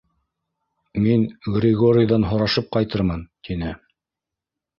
Мин, Григорийҙан һорашып ҡайтырмын, — тине.